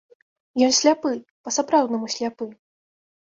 Ён сляпы, па-сапраўднаму сляпы.